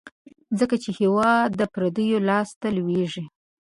ځکه یې هیواد د پردیو لاس ته لوېږي.